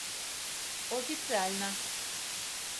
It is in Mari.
Официально!